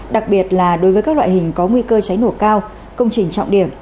đặc biệt là đối với các loại hình có nguy cơ cháy nổ cao